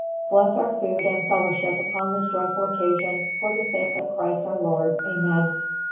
Bless our food and fellowship upon this joyful occasion, for the sake of Christ our Lord, Amen."